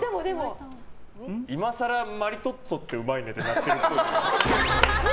今更マリトッツォってうまいねってなってるっぽい。